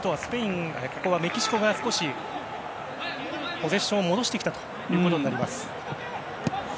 ここはメキシコが少しポゼッションを戻してきたということです。